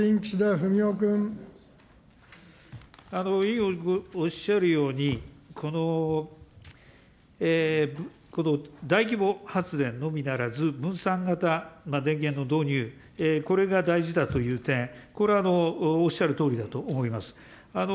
委員おっしゃるように、この大規模発電のみならず、分散型電源の導入、これが大事だという点、これはおっしゃるとおりだと思います。